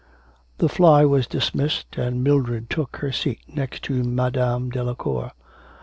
The fly was dismissed, and Mildred took her seat next to Madame Delacour.